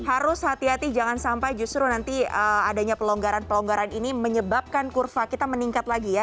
harus hati hati jangan sampai justru nanti adanya pelonggaran pelonggaran ini menyebabkan kurva kita meningkat lagi ya